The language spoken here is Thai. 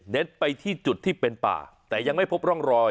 ไปที่จุดที่เป็นป่าแต่ยังไม่พบร่องรอย